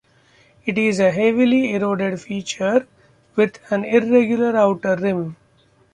It is a heavily eroded feature with an irregular outer rim.